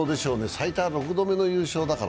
最多６度目の優勝だから。